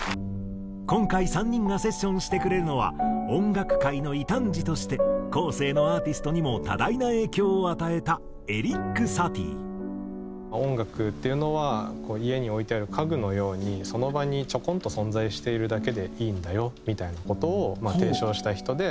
今回３人がセッションしてくれるのは音楽界の異端児として後世のアーティストにも多大な影響を与えた音楽っていうのは家に置いてある家具のようにその場にちょこんと存在しているだけでいいんだよみたいな事を提唱した人で。